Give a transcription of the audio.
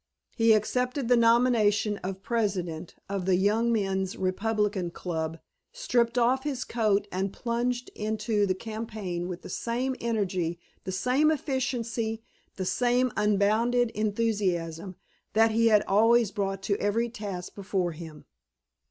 He accepted the nomination of president of the Young Men's Republican Club, stripped off his coat and plunged into the campaign with the same energy, the same efficiency, the same unbounded enthusiasm that he had always brought to every task before him.